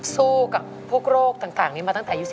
สู้กับพวกโรคต่างนี้มาตั้งแต่อายุ๑๓